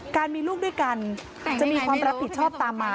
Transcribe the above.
การมีลูกด้วยกันจะมีความรับผิดชอบตามมา